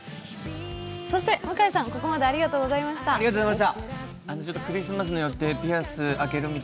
そして向井さん、ここまでありがとうございました。